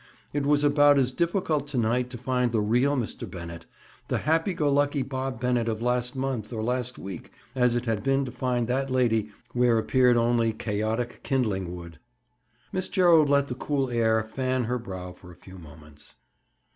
It was about as difficult to night to find the real Mr. Bennett—the happy go lucky Bob Bennett of last month or last week—as it had been to find that lady where appeared only chaotic kindling wood. Miss Gerald let the cool air fan her brow for a few moments.